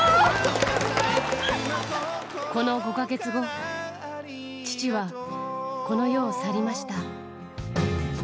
この５か月後、父はこの世を去りました。